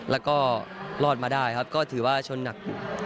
แล้วก็รอดมาได้ครับก็ถือว่าชนหนัก